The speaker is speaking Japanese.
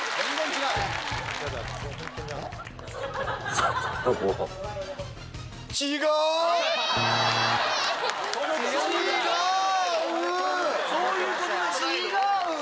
違う！